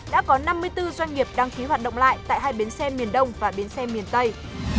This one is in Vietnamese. đã có năm mươi bốn doanh nghiệp đăng ký hoạt động lại tại hai bến xe miền đông và biến xe miền tây